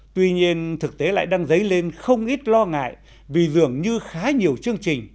tuy nhiên thực tế lại đang dấy lên không ít lo ngại vì dường như khá nhiều chương trình